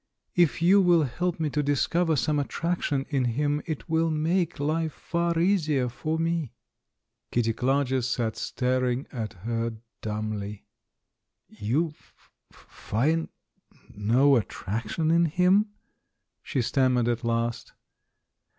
If you will help me to discover some attraction in him, it will make hfe far easier for me." Kitty Clarges sat staring at her dumbly. "You f find no attraction in him?" she stammered at last.